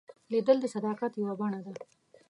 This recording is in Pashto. لیدل د صداقت یوه بڼه ده